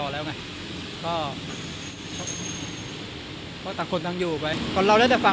แล้วไงก็ตังคุณต้องอยู่บค่ะ